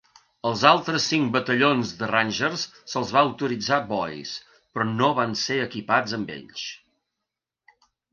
Als altres cinc batallons de Rangers se'ls va autoritzar Boys, però no van ser equipats amb ells.